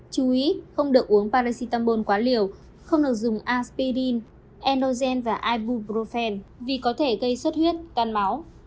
chú ý không được uống paracetamol quá liều không được dùng aspirin endogen và ibuprofen vì có thể gây suất huyết tan máu